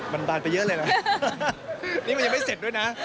มันบานไปเยอะเลยนะนี่มันยังไม่เสร็จด้วยนะ